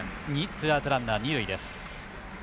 ツーアウト、ランナー、二塁です。